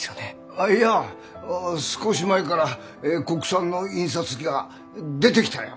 あっいや少し前から国産の印刷機が出てきたよ。